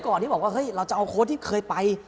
ที่บอกว่าเฮ้ยเราจะเอาโค้ดที่เคยไป